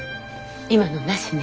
今のなしね。